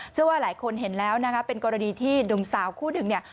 เชื่อว่าหลายคนเห็นแล้วเป็นกรณีที่ดุ่มสาวคู่หนึ่ง